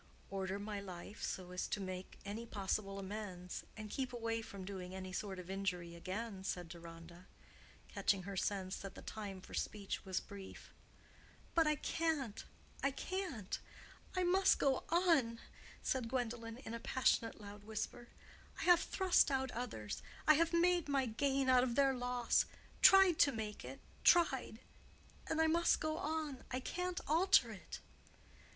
"Order my life so as to make any possible amends, and keep away from doing any sort of injury again," said Deronda, catching her sense that the time for speech was brief. "But I can't—I can't; I must go on," said Gwendolen, in a passionate loud whisper. "I have thrust out others—I have made my gain out of their loss—tried to make it—tried. And I must go on. I can't alter it."